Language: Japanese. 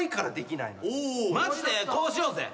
マジでこうしようぜ。